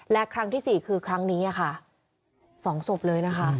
และครั้งที่๔คือครั้งนี้ค่ะ๒ศพเลยนะคะ